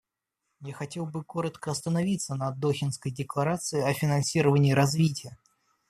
Я хотел бы коротко остановиться на Дохинской декларации о финансировании развития.